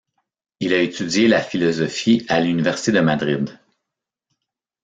Il a étudié la philosophie à l'université de Madrid.